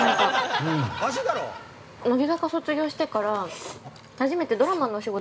◆乃木坂、卒業してから。